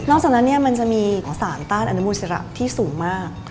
จากนั้นมันจะมีสารต้านอนุมูลศิระที่สูงมาก